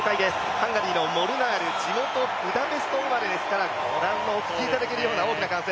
ハンガリーのモルナール、地元ブダペスト生まれですから、お聞きいただいているような大きな歓声。